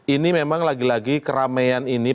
ini memang lagi lagi keramaian ini